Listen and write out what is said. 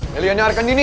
melianya rekan dini